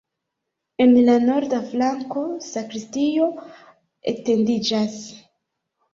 En la norda flanko sakristio etendiĝas.